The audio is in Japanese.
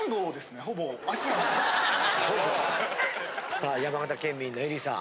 さあ山形県民のえりさん。